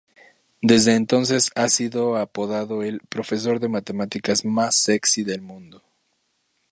Desde entonces ha sido apodado el "profesor de matemáticas más sexy del mundo".